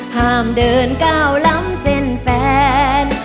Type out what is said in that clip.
ห้ามเดินก้าวล้ำเส้นแฟน